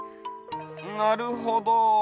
なるほど。